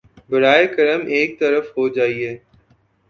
براہ کرم ایک طرف ہو جایئے